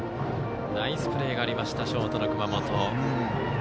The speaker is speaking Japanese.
ナイスプレーがありましたショートの熊本。